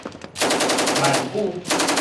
閩語